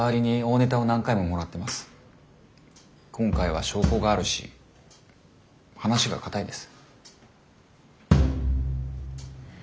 今回は証拠があるし話が堅いです。